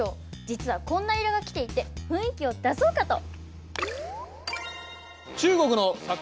実はこんな依頼が来ていて雰囲気を出そうかと。